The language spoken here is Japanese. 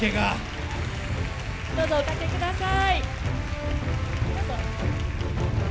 どうぞお掛けください。